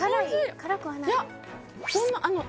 辛くはない？